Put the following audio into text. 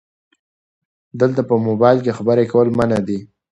دلته په مبایل کې خبرې کول منع دي 📵